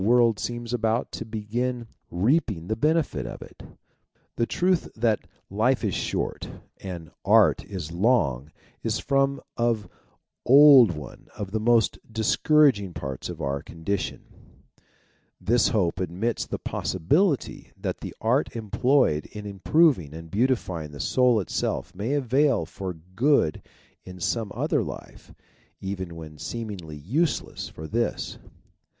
world seems about to begin reaping the benefit of it. The truth that life is short and art is long is from of old one of the most discouraging parts of our condition; this 250 THEISM hope admits the possibility that the art employed in improving and beautifying the soul itself may avail for good in some other life, even when seemingly useless for this.